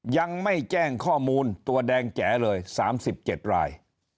ยังไม่แจ้งข้อมูลตัวแดงแจ๋เลย๓๗ราย